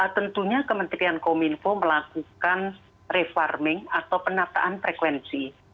tentunya kementerian kominfo melakukan refarming atau penataan frekuensi